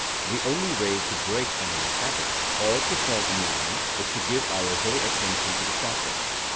The only way to break an old habit or to form a new one is to give our whole attention to the process.